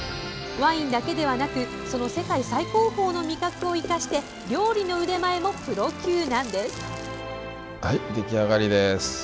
ワインだけではなくその世界最高峰の味覚を生かして料理の腕前もプロ級なんです！